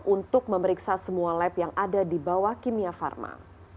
untuk memeriksa semua lab yang ada di bawah kimia pharma